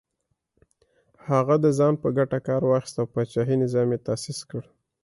هغه د ځان په ګټه کار واخیست او پاچاهي نظام یې تاسیس کړ.